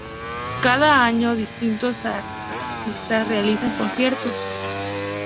Cada año distintos artistas realizan conciertos.